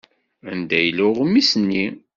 Anda yella uɣmis-nni?